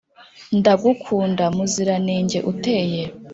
Ndagukunda muziranenge uteye